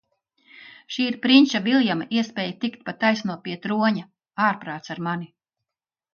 Šī ir prinča Viljama iespēja tikt pa taisno pie troņa. Ārprāts ar mani.